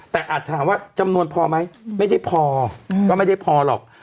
แต่อาจถามว่าจำนวนพอไหมไม่ได้พอก็ไม่ได้พอหรอก